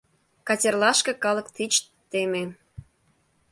Катерлашке калык тич теме.